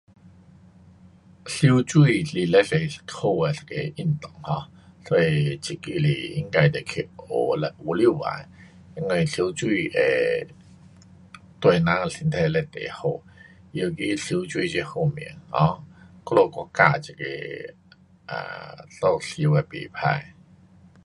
游泳是非常好的一个运动 um 所以这个是应该得去学的，有能力。因为游泳会对人的身体非常好，尤其游泳这方面 um 我们国家这个 um 设施也不错。